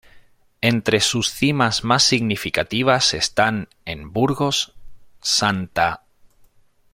Entre sus cimas más significativas están, en Burgos, Sta.